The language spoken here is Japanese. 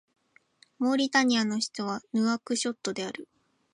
モーリタニアの首都はヌアクショットである